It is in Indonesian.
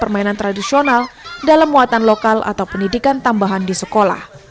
permainan tradisional dalam muatan lokal atau pendidikan tambahan disekolah